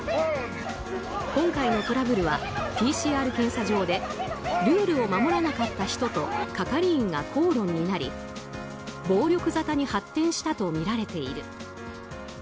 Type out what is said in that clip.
今回のトラブルはＰＣＲ検査場でルールを守らなかった人と係員が口論になり暴力沙汰に発展したとみられている。